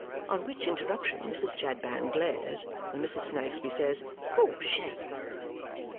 On which interruption Mrs. Chadband glares and Mrs. Snagsby says, "For shame!"